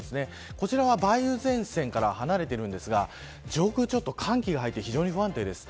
こちらは梅雨前線から離れているんですが上空ちょっと寒気が入って非常に不安定です。